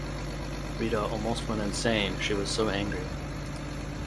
Rita almost went insane, she was so angry.